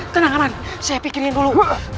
tenang kanan saya pikirin dulu